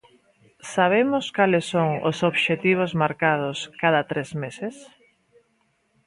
¿Sabemos cales son os obxectivos marcados cada tres meses?